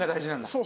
そう。